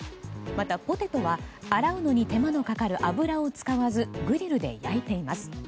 また、ポテトは洗うのに手間のかかる油を使わずグリルで焼いています。